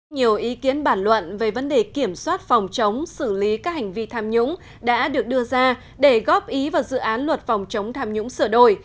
nhiều ý kiến bản luận về vấn đề kiểm soát phòng chống xử lý các hành vi tham nhũng đã được đưa ra để góp ý vào dự án luật phòng chống tham nhũng sửa đổi